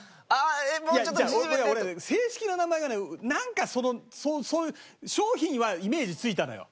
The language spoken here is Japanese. いや違う俺ね正式な名前がねなんかそのそういう商品はイメージついたのよ。